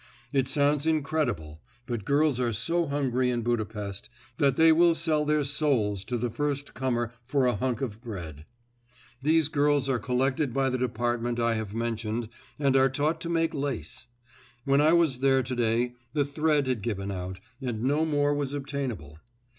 It sounds incredible, but girls are so hungry in Budapest that they will sell their souls to the first comer for a hunk of bread. These girls are collected by the department I have mentioned and are taught to make lace. When I was there today the thread had given out and no more was obtainable.